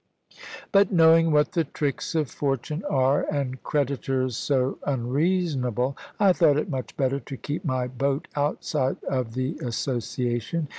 But knowing what the tricks of fortune are, and creditors so unreasonable, I thought it much better to keep my boat outside of the association.